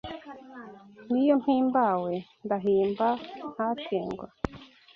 N'iyo mpimbawe ndahimba ntatengwa